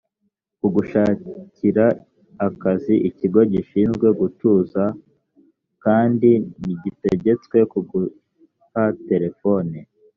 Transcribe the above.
kugushakira akazi ikigo gishinzwe gutunza kandi ntigitegetswe kuguha telefone